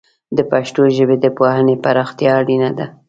د پښتو ژبې د پوهنې پراختیا اړینه ده.